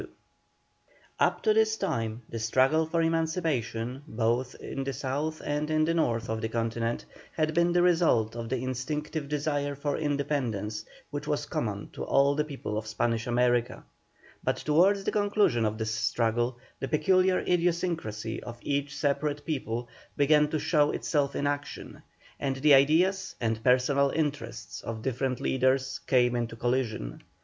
1822. Up to this time the struggle for emancipation, both in the South and in the North of the Continent had been the result of the instinctive desire for independence which was common to all the people of Spanish America, but towards the conclusion of this struggle, the peculiar idiosyncracy of each separate people began to show itself in action, and the ideas and personal interests of different leaders came into collision.